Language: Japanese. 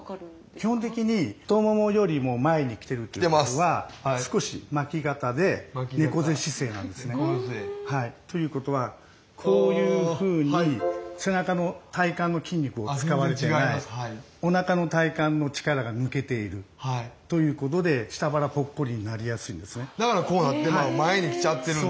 基本的に太ももよりも前にきてるっていうことは少し巻き肩で猫背姿勢なんですね。ということはこういうふうに背中の体幹の筋肉を使われてないおなかの体幹の力が抜けているということでだからこうなってるのは前にきちゃってるんや。